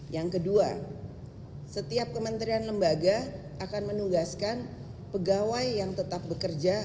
yang kedua setiap kementerian lembaga akan menugaskan pegawai yang tetap bekerja